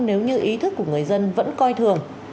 nếu như ý thức của người dân vẫn coi thường